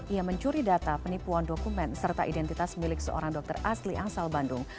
ia mencuri data penipuan dokumen serta identitas milik seorang dokter asli asal bandung